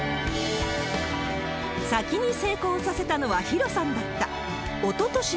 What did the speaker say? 先に成功させたのはヒロさんだった。